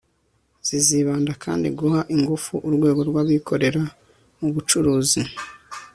zizibanda kandi mu guha ingufu urwego rw'abikorera mu bucuruzi